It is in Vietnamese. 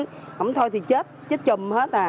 không thôi thì chết chết chùm hết à